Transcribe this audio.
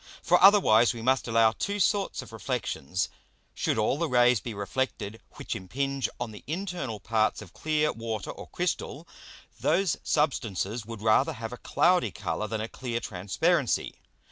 For otherwise we must allow two sorts of Reflexions. Should all the Rays be reflected which impinge on the internal parts of clear Water or Crystal, those Substances would rather have a cloudy Colour than a clear Transparency.